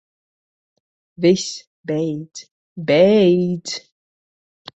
Viss, beidz. Beidz.